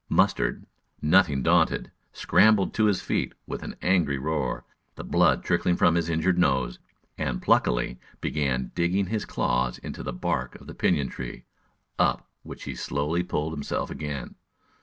Mustard, nothing daunted, scrambled to his feet with an angry roar, the blood trickling from his injured nose, and pluckily began digging his claws into the bark of the pinyon tree, up which he slowly pulled himself again.